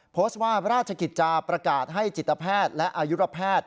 โพสต์ว่าราชกิจจาประกาศให้จิตแพทย์และอายุรแพทย์